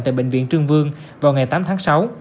tại bệnh viện trương vương vào ngày tám tháng sáu